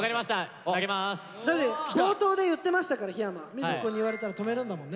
瑞稀くんに言われたら止めるんだもんね。